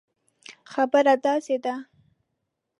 خبره داسي ده